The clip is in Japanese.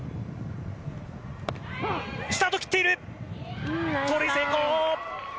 スタート切っている！